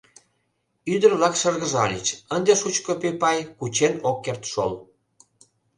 Ӱдыр-влак шыргыжальыч: ынде шучко пӧпай кучен ок керт шол.